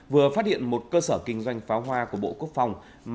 vừa phát hiện một cơ sở kinh doanh pháo hoa của bộ quốc phòng